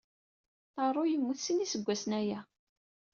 Ṭaṛu yemmut sin iseggasen aya.